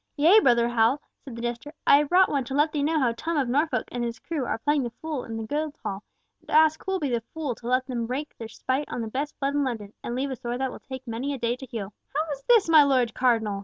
"Yea, brother Hal," said the jester, "I have brought one to let thee know how Tom of Norfolk and his crew are playing the fool in the Guildhall, and to ask who will be the fool to let them wreak their spite on the best blood in London, and leave a sore that will take many a day to heal." "How is this, my Lord Cardinal?"